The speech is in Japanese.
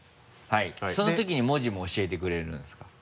はいそのときに文字も教えてくれるんですか？